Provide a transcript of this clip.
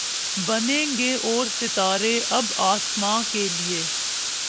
بنیں گے اور ستارے اب آسماں کے لیے